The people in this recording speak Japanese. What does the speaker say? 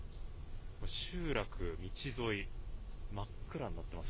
これ、集落、道沿い、真っ暗になってます。